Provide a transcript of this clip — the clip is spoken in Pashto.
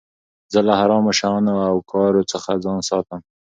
زه له حرامو شيانو او کارو څخه ځان ساتم.